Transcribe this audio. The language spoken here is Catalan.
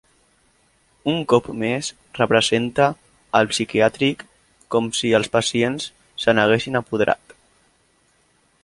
Un cop més representa el psiquiàtric com si els pacients se n'haguessin apoderat.